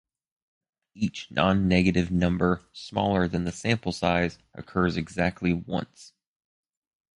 Each nonnegative number smaller than the sample size occurs exactly once.